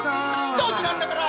ドジなんだから！